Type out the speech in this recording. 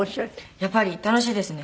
やっぱり楽しいですね。